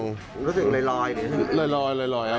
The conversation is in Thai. ผมก็สังเมฆเลยนะครับ